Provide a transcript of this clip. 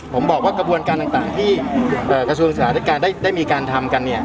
ผมบอกว่ากระบวนการต่างที่กระทรวงสหรัฐได้มีการทำกัน